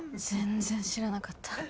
全然知らなかった。